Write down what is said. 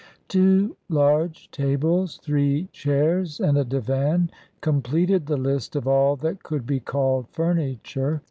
Two large tables, three chairs and a divan completed the list of all that could be called furniture.